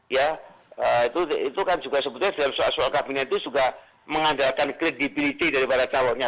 ya itu kan juga sebetulnya dalam soal soal kabinet itu juga mengandalkan credibility daripada calonnya